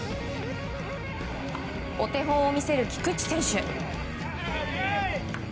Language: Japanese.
お手本を見せる菊池選手。